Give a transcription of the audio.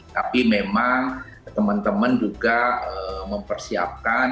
tapi memang teman teman juga mempersiapkan